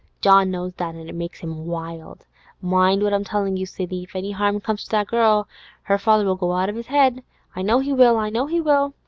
John knows that, an' it makes him wild. Mind what I'm tellin' you, Sidney; if any 'arm comes to that girl, her father'll go out of his 'ead. I know he will! I know he will!